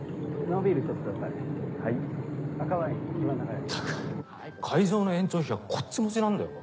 まったく会場の延長費はこっち持ちなんだよ。